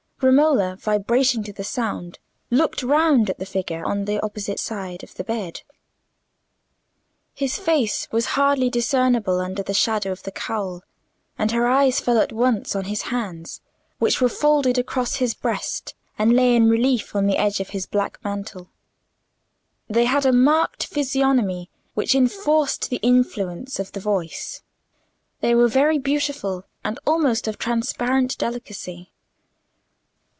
Romola, vibrating to the sound, looked round at the figure on the opposite side of the bed. His face was hardly discernible under the shadow of the cowl, and her eyes fell at once on his hands, which were folded across his breast and lay in relief on the edge of his black mantle. They had a marked physiognomy which enforced the influence of the voice: they were very beautiful and almost of transparent delicacy.